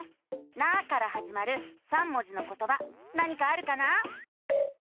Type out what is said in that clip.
「な」からはじまる３文字のことば何かあるかな？